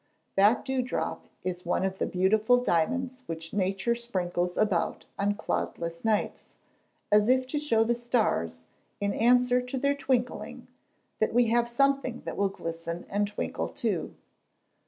That dew drop is one of the beautiful diamonds which Nature sprinkles about on cloudless nights, as if to show the stars, in answer to their twinkling, that we have something that will glisten and twinkle too.